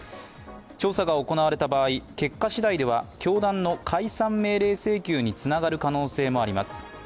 調査が行われた場合、結果次第では教団の解散命令請求につながる可能性もあります。